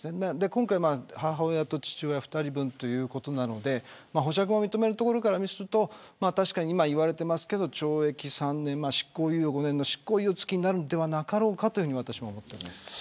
今回は母親と父親２人分ということなので保釈を認めたところからすると懲役３年、執行猶予５年の執行猶予付きになるんではなかろうかと私は思っています。